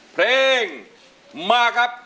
เพลงมาครับ